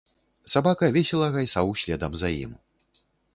Сабака весела гайсаў следам за ім.